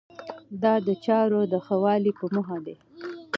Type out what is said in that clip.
دا د چارو د ښه والي په موخه دی.